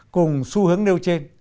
cùng xu hướng nêu trên